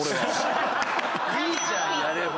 いいじゃんやれば。